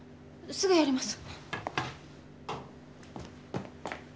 すぐやります。